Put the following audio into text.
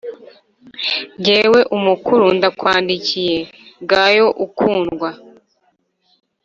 Jyewe umukuru ndakwandikiye gayo ukundwa